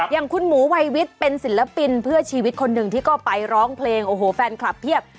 อย่างคุณหมูวัยวิทย์เป็นศิลปินเพื่อชีวิตคนหนึ่งที่ก็ไปร้องเพลงโอ้โหแฟนคลับเพียบ